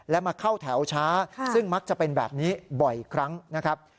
และมาเข้าแถวช้าซึ่งมักจะเป็นแบบนี้บ่อยครั้งนะครับ